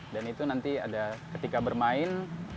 dan itu nanti ada ketika bermain